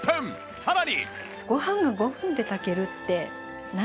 さらに